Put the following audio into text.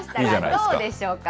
どうでしょうか。